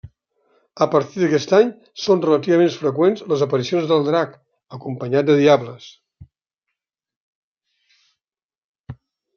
A partir d'aquest any són relativament freqüents les aparicions del Drac, acompanyat de diables.